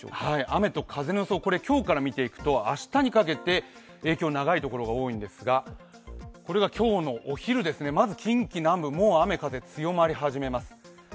雨と風の予想、今日から見ていくと、明日にかけて影響、長いところが多いんですがこれが今日のお昼ですね、まず近畿南部、もう雨風強まり始めます。